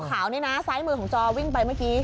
ขาวนี่นะซ้ายมือของจอวิ่งไปเมื่อกี้